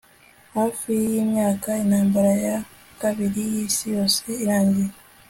Hafi yimyaka Intambara ya Kabiri yIsi Yose irangiye